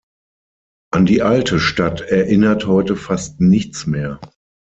An die alte Stadt erinnert heute fast nichts mehr.